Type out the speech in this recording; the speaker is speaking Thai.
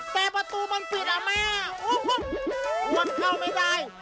แต่ประตูมันปิดอ่ะแม่มันเข้าไม่ได้